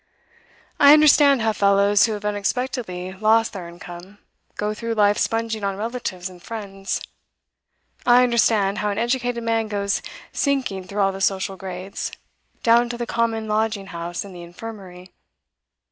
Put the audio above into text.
I understand how fellows who have unexpectedly lost their income go through life sponging on relatives and friends. I understand how an educated man goes sinking through all the social grades, down to the common lodging house and the infirmary.